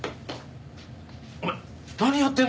お前何やってんだよ！